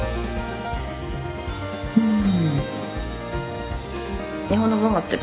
うん。